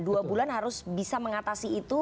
dua bulan harus bisa mengatasi itu